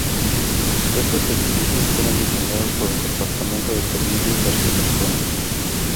Estos edificios fueron diseñados por el Departamento de Servicios Arquitectónicos.